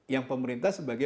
yang pemerintah sebagai